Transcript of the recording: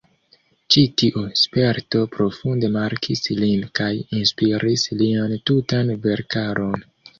Ĉi tiu sperto profunde markis lin kaj inspiris lian tutan verkaron.